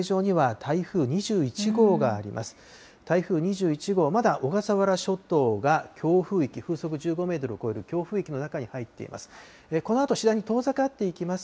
台風２１号、まだ小笠原諸島が強風域、風速１５メートルを超える強風域の中に入っています。